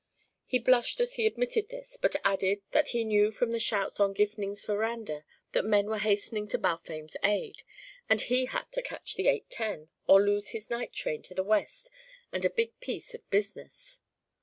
He blushed as he admitted this, but added that he knew from the shouts on Gifning's veranda that men were hastening to Balfame's aid, and he had to catch the eight ten or lose his night train to the West and a big piece of business.